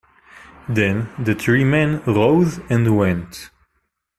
Then the three men rose and went.